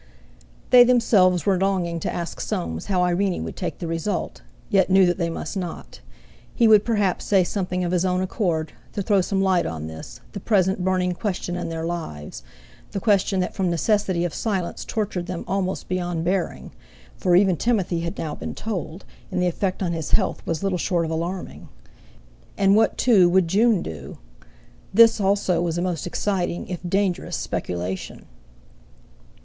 They themselves were longing to ask Soames how Irene would take the result, yet knew that they must not; he would perhaps say something of his own accord, to throw some light on this, the present burning question in their lives, the question that from necessity of silence tortured them almost beyond bearing; for even Timothy had now been told, and the effect on his health was little short of alarming. And what, too, would June do? This, also, was a most exciting, if dangerous speculation!